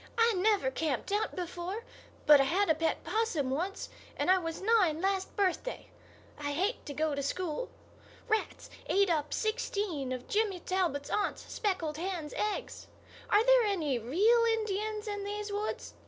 I never camped out before; but I had a pet 'possum once, and I was nine last birthday. I hate to go to school. Rats ate up sixteen of Jimmy Talbot's aunt's speckled hen's eggs. Are there any real Indians in these woods?